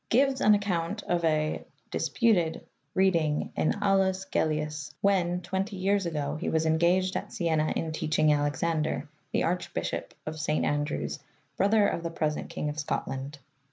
Gives an account of a [disputed] reading in Aulus Gellius, when, twenty years ago, he was engaged at Sienna in teaching Alexander, the archbishop of St. Andrews, brother of the present king of Scotland.